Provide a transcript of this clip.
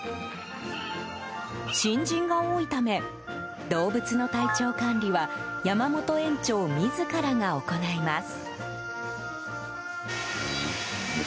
新人が多いため動物の体調管理は山本園長自らが行います。